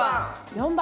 ４番。